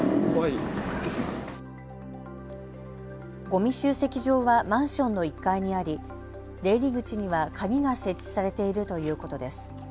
ごみ集積場はマンションの１階にあり出入り口には鍵が設置されているということです。